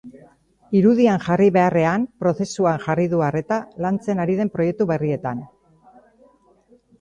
Irudian jarri beharrean, prozesuan jarri du arreta lantzen ari den proiektu berrietan.